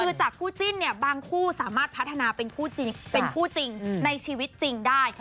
คือจากคู่จิ้นเนี่ยบางคู่สามารถพัฒนาเป็นคู่จริงเป็นคู่จริงในชีวิตจริงได้